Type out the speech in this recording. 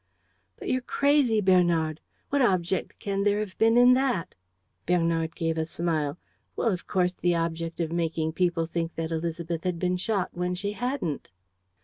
"But you're crazy, Bernard! What object can there have been in that?" Bernard gave a smile: "Well, of course, the object of making people think that Élisabeth had been shot when she hadn't."